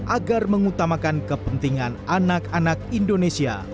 agar mengutamakan kepentingan anak anak indonesia